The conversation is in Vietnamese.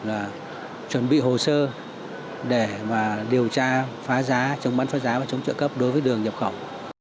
là chuẩn bị hồ sơ để mà điều tra phá giá chống bán phá giá và chống trợ cấp đối với đường nhập khẩu